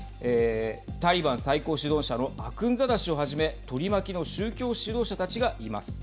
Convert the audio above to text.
タリバン最高指導者のアクンザダ師をはじめ取り巻きの宗教指導者たちがいます。